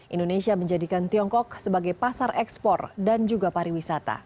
indonesia menjadikan tiongkok sebagai pasar ekspor dan juga pariwisata